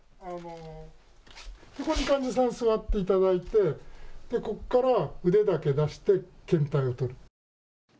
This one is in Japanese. ここに患者さん座っていただいてここから腕だけ出して検体をとる。